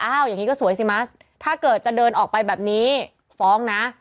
อย่างนี้ก็สวยสิมัสถ้าเกิดจะเดินออกไปแบบนี้ฟ้องนะ